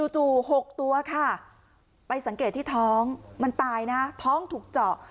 ๖ตัวค่ะไปสังเกตที่ท้องมันตายนะท้องถูกเจาะ